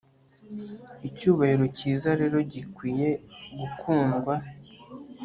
Icyubahiro cyiza rero gikwiye gukundwa